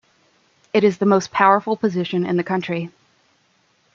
It is the most powerful position in the country.